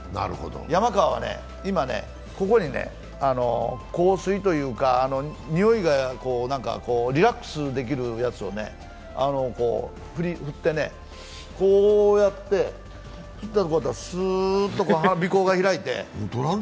山川は今、ここに香水というか匂いが、リラックスできるやつを振ってね、こうやってスーっと鼻こうが開いて。